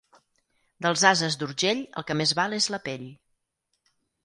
Dels ases d'Urgell el que més val és la pell.